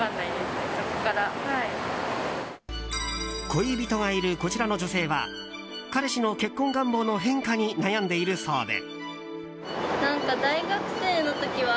恋人がいるこちらの女性は彼氏の結婚願望の変化に悩んでいるそうで。